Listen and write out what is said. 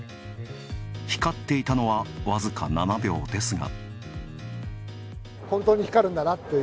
光っていたのは、わずか７秒ですが。